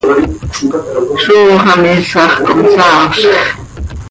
¡Zóo xah mihiisax com saafzx!